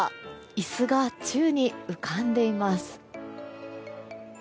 椅子が宙に浮かんでいます。